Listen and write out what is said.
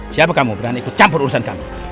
siapa kamu berani ikut campur urusan kamu